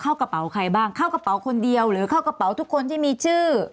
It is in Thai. เข้ากระเป๋าใครบ้างเข้ากระเป๋าคนเดียวหรือเข้ากระเป๋าทุกคนที่มีชื่อ